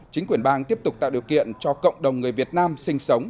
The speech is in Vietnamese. chính quyền bang tiếp tục tạo điều kiện cho cộng đồng người việt nam sinh sống